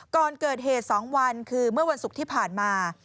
ก่อนเกิดเหตุ๒วันคือเมื่อวันศุกร์ที่ผ่านมา